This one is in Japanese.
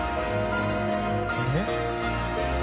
えっ？